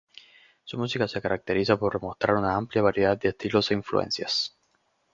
Su música se caracteriza por mostrar una amplia variedad de estilos e influencias.